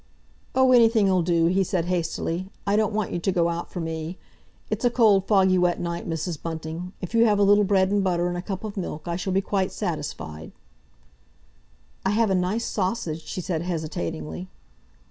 "Oh, anything'll do," he said hastily. "I don't want you to go out for me. It's a cold, foggy, wet night, Mrs. Bunting. If you have a little bread and butter and a cup of milk I shall be quite satisfied." "I have a nice sausage," she said hesitatingly.